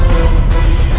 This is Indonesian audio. kabar buruk kakak anda